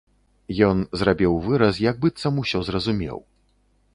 Ён зрабіў выраз, як быццам усё зразумеў.